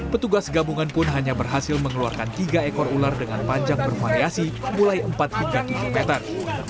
petugas gabungan pun hanya berhasil mengeluarkan tiga ekor ular dengan panjang bervariasi mulai empat hingga tujuh meter